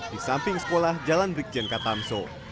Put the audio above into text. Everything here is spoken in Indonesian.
di samping sekolah jalan brikjen katamso